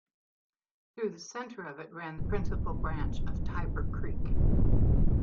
Through the center of it ran the principal branch of Tiber Creek.